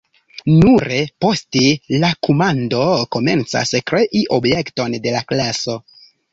Nure poste la komando komencas krei objekton de la klaso.